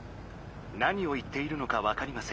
「何を言っているのかわかりません。